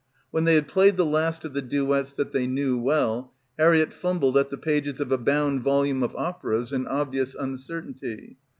When they had played the last of the duets that they knew well, Harriett fumbled at the pages of a bound volume of operas in obvious uncertainty.